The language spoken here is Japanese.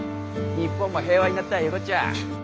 日本も平和になったいうこっちゃ。